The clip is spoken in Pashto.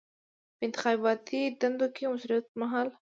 په انتخاباتي دندو کې د مصروفیت پر مهال.